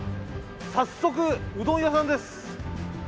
早速うどん屋さんです。